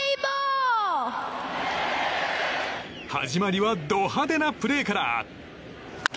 始まりはド派手なプレーから。